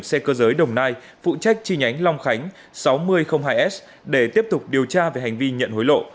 xe cơ giới đồng nai phụ trách chi nhánh long khánh sáu nghìn hai s để tiếp tục điều tra về hành vi nhận hối lộ